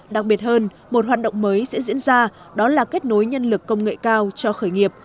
đặc biệt hơn một hoạt động mới sẽ diễn ra đó là kết nối nhân lực công nghệ cao cho khởi nghiệp